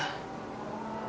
apalagi sampai kepikiran aku ma